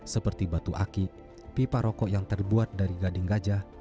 seperti batu aki pipa rokok yang terbuat dari gading gajah